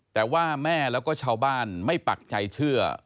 แต่ว่าแม่แล้วก็ชาวบ้านไม่ปักใจเชื่อ